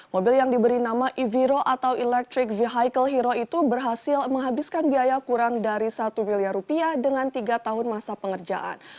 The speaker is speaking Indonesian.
mobil yang diberi nama evoro atau electric vehicle hero itu berhasil menghabiskan biaya kurang dari satu miliar rupiah dengan tiga tahun masa pengerjaan